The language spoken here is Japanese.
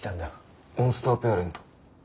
モンスターペアレント？